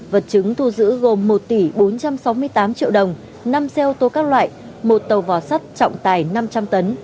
vật chứng thu giữ gồm một tỷ bốn trăm sáu mươi tám triệu đồng năm xe ô tô các loại một tàu vỏ sắt trọng tài năm trăm linh tấn